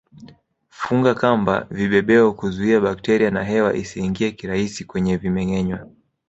Funga kamba vibebeo kuzuia bakteria na hewa isiingie kirahisi kwenye vimengenywa